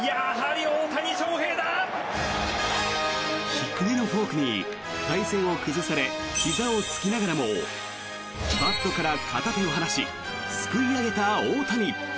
低めのフォークに体勢を崩されひざを突きながらもバットから片手を放しすくい上げた大谷。